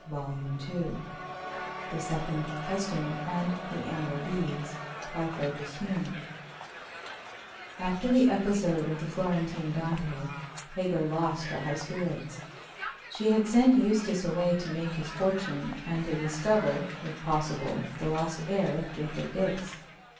Chapter III The Second Customer And The Amber Beads AFTER the episode of the Florentine Dante, Hagar lost her high spirits. She had sent Eustace away to make his fortune, and to discover, if possible, the lost heir of Jacob Dix.